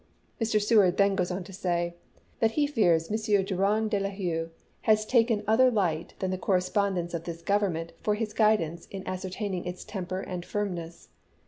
Mr. Seward then goes on to say that he fears M. Drouyn de I'Huys has taken other light than the correspondence of this Government for his guid ance in ascertaining its temper and firmness.